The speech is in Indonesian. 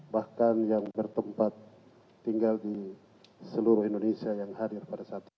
bahkan yang bertempat tinggal di seluruh indonesia yang hadir pada saat itu